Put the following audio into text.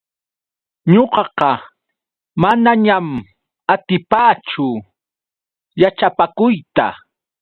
Ñuqaqa manañam atipaachu yaćhapakuyta.